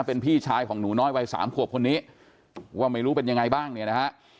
เป็นพี่ชายของหนูน้อยวัยสามขวบคนนี้ว่าไม่รู้เป็นยังไงบ้างเนี่ยนะฮะ